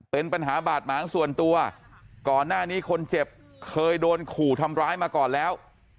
เป็นปัญหาบาดหมางส่วนตัวก่อนหน้านี้คนเจ็บเคยโดนขู่ทำร้ายมาก่อนแล้ว